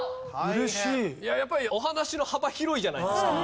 やっぱりお話の幅広いじゃないですか。